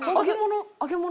揚げ物。